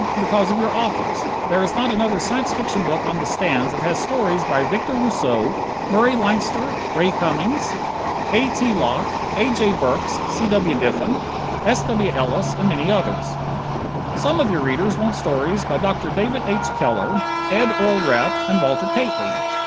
Because of your authors. There is not another Science Fiction book on the stands that has stories by Victor Rousseau, Murray Leinster Ray Cummings, A. T. Locke, A. J. Burks, C. W. Diffin, S. W. Ellis and many others. Some of your readers want stories by Dr. David H. Keller, Ed Earl Repp and Walter Kately.